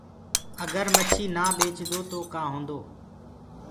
اگر مڇي نآ ٻيچدو تو ڪآ هوندو